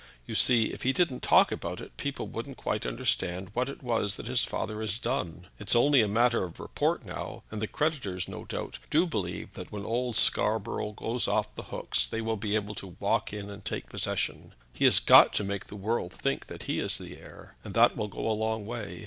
You see, if he didn't talk about it people wouldn't quite understand what it was that his father has done. It's only matter of report now, and the creditors, no doubt, do believe that when old Scarborough goes off the hooks they will be able to walk in and take possession. He has got to make the world think that he is the heir, and that will go a long way.